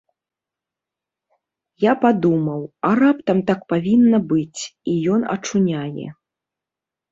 Я падумаў, а раптам так павінна быць, і ён ачуняе.